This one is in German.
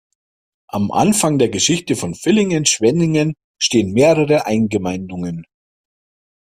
Am Anfang der Geschichte von Villingen-Schwenningen stehen mehrere Eingemeindungen.